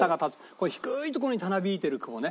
こう低い所にたなびいてる雲ね。